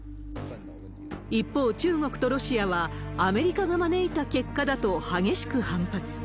一方、中国とロシアは、アメリカが招いた結果だと激しく反発。